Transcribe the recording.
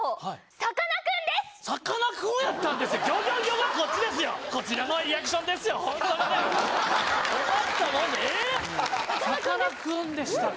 さかなクンでしたか。